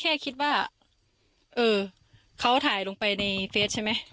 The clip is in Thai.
แค่คิดว่าเออเขาถ่ายลงไปในเฟสใช่ไหม